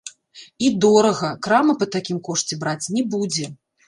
І дорага, крама па такім кошце браць не будзе.